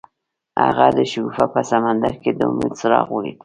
هغه د شګوفه په سمندر کې د امید څراغ ولید.